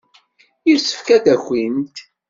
Yessefk ad d-akint.